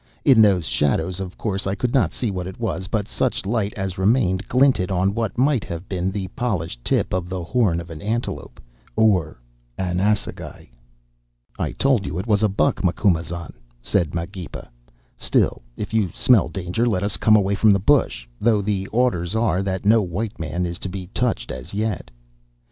In those shadows, of course, I could not see what it was, but such light as remained glinted on what might have been the polished tip of the horn of an antelope or—an assegai. "'I told you it was a buck, Macumazahn,' said Magepa. 'Still, if you smell danger, let us come away from the bush, though the orders are that no white man is to be touched as yet.